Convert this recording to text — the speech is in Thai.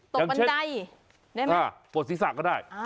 บันไดปวดศีรษะก็ได้